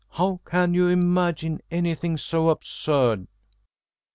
How can you imagine anything so absurd?"